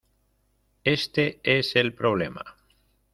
este es el problema.